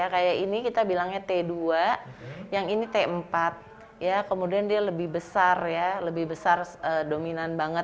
kayak ini kita bilangnya t dua yang ini t empat ya kemudian dia lebih besar ya lebih besar dominan banget